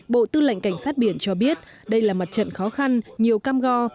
bộ tư lệnh cảnh sát biển cho biết đây là mặt trận khó khăn nhiều cam go